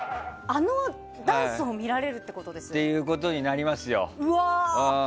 あのダンスを見られるってことですよね。ということになりますよ。